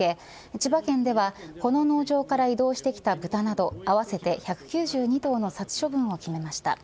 千葉県ではこの農場から移動してきた豚など合わせて１９２頭の殺処分を決めました。